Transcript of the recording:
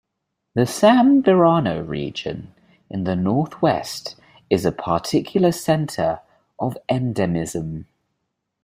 The Sambirano region in the northwest is a particular centre of endemism.